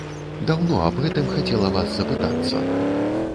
Даўно аб гэтым хацела вас запытацца.